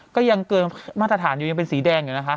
ก็ยังเกินมาตรฐานอยู่ยังเป็นสีแดงอยู่นะคะ